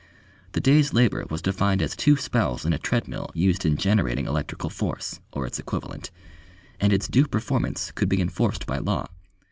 The day's labour was defined as two spells in a treadmill used in generating electrical force, or its equivalent, and its due performance could be enforced by law.